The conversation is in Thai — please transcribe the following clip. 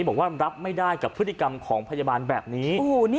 บอกว่ารับไม่ได้กับพฤติกรรมของพยาบาลแบบนี้